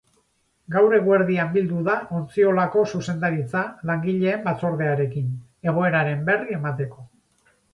Gaur eguerdian bildu da ontziolako zuzendaritza langileen batzordearekin, egoeraren berri emateko.